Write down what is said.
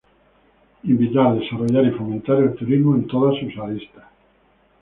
Invitar, desarrollar y fomentar el turismo en todas sus aristas.